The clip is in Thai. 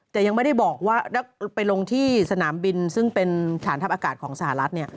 แต่ยังไม่ได้บอกว่าไปลงที่สนามบินซึ่งเป็นฐานทัพอากาศของสหรัฐ